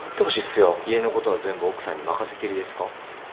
家のことは全部奥さんに任せきりですか？